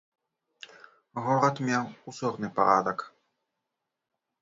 Горад меў узорны парадак.